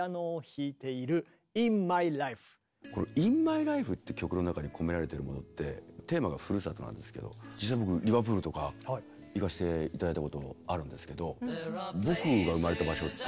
「イン・マイ・ライフ」って曲の中に込められているものってテーマがふるさとなんですけど実際僕リバプールとか行かせて頂いたこともあるんですけど。